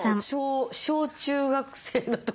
小中学生の時に。